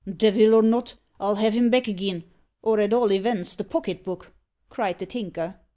"Devil or not, I'll have him back agin, or at all events the pocket book!" cried the Tinker.